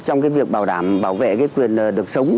trong việc bảo đảm bảo vệ quyền được sống